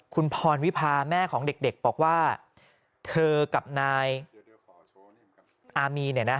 คุณพรวิพาแม่ของเด็กบอกว่าเธอกับนายอามี